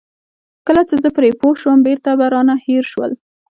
کله چې زه پرې پوه شوم بېرته به رانه هېر شول.